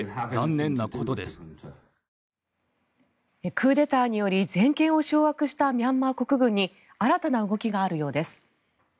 クーデターにより全権を掌握したミャンマー国軍に新たな動きがあるようです。